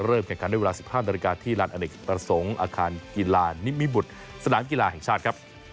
เริ่มกันด้วยเวลา๑๕นาฬิกาที่ร้านอเนกประสงค์อาคารกีฬานิมมิบุตรสถานกีฬาแห่งชาติ